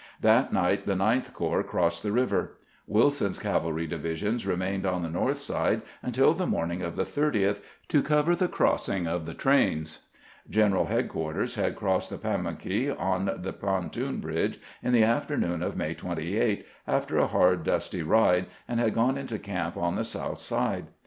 That night the Ninth Corps crossed the river. "Wilson's cavalry division remained on the north side untU the morning of the 30th to cover the crossing of the trains. General headquarters had crossed the Pamunkey on the pontoon bridge in the afternoon of May 28, after a hard, dusty ride, and had gone into camp on the south side.